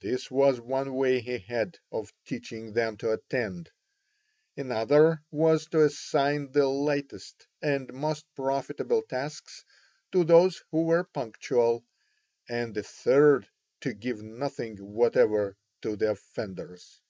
This was one way he had of teaching them to attend; another was to assign the lightest and most profitable tasks to those who were punctual, and a third to give nothing whatever to the offenders.